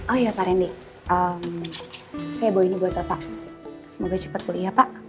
oh iya pak rindy saya bawa ini buat apa semoga cepet boleh ya pak